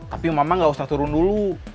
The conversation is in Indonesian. tapi mama gak usah turun dulu